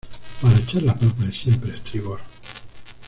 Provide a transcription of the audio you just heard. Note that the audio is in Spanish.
para echar la papa es siempre a estribor